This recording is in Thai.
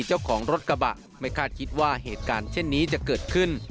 เจ้าของรถกระบะไม่คาดคิดว่าเหตุการณ์เช่นนี้จะเกิดขึ้น